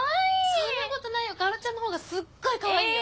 そんなことないよ薫ちゃんのほうがすっごいかわいいよ。